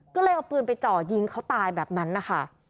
ก็เลยเอาปืนไปเจาะยิงเขาตายแบบนั้นนะคะ